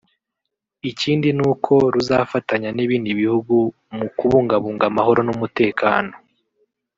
Ikindi nuko ruzafatanya n’ibindi bihugu mu kubungabunga amahoro n’umutekano